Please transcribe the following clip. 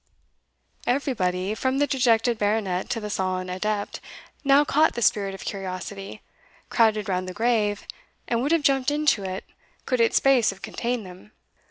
Everybody, from the dejected Baronet to the sullen adept, now caught the spirit of curiosity, crowded round the grave, and would have jumped into it, could its space have contained them.